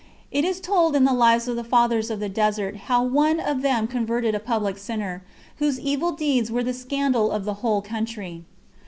It is told in the Lives of the Fathers of the Desert how one of them converted a public sinner, whose evil deeds were the scandal of the whole country.